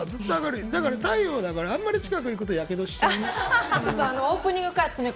だから太陽だからあんまり近く行くとやけどしちゃうね。